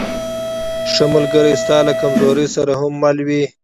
ښه ملګری ستا له کمزورۍ سره هم مل وي.